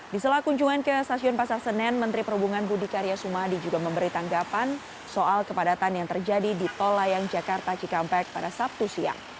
di sela kunjungan ke stasiun pasar senen menteri perhubungan budi karya sumadi juga memberi tanggapan soal kepadatan yang terjadi di tol layang jakarta cikampek pada sabtu siang